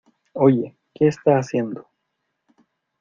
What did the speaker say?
¿ Oye, qué está haciendo?